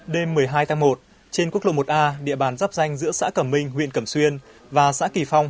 đêm một mươi hai tháng một trên quốc lộ một a địa bàn dắp danh giữa xã cẩm minh huyện cẩm xuyên và xã kỳ phong